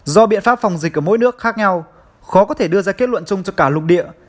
do biện pháp phòng dịch ở mỗi nước khác nhau khó có thể đưa ra kết luận chung cho cả lục địa